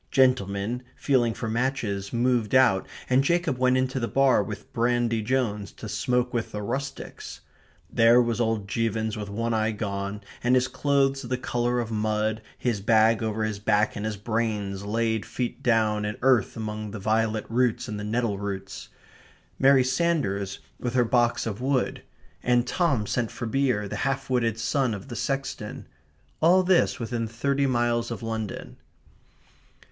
Gentlemen, feeling for matches, moved out, and Jacob went into the bar with Brandy Jones to smoke with the rustics. There was old Jevons with one eye gone, and his clothes the colour of mud, his bag over his back, and his brains laid feet down in earth among the violet roots and the nettle roots; Mary Sanders with her box of wood; and Tom sent for beer, the half witted son of the sexton all this within thirty miles of London.